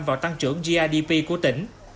vào tăng trưởng grdp của tỉnh